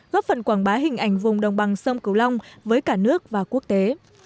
góp phần quảng bá hình ảnh vùng đồng bằng sông cửu long với cả nước và quốc tế